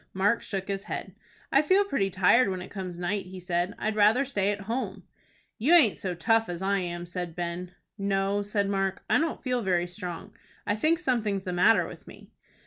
Mark shook his head. "I feel pretty tired when it comes night," he said. "I'd rather stay at home." "You aint so tough as I am," said Ben. "No," said Mark, "I don't feel very strong. I think something's the matter with me."